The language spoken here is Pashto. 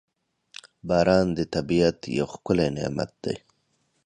• باران د طبیعت یو ښکلی نعمت دی.